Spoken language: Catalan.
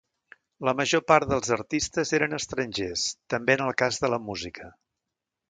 La major part dels artistes eren estrangers, també en el cas de la música.